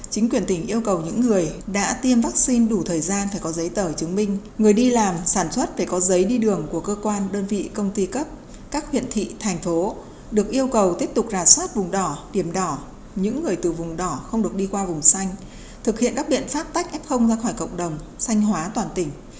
chính quyền tỉnh yêu cầu những người đã tiêm vaccine đủ thời gian phải có giấy tờ chứng minh người đi làm sản xuất phải có giấy đi đường của cơ quan đơn vị công ty cấp các huyện thị thành phố được yêu cầu tiếp tục rà soát vùng đỏ điểm đỏ những người từ vùng đỏ không được đi qua vùng xanh thực hiện các biện pháp tách f ra khỏi cộng đồng xanh hóa toàn tỉnh